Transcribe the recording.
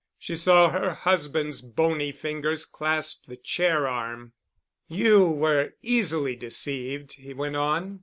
She saw her husband's bony fingers clasp the chair arm. "You were easily deceived," he went on.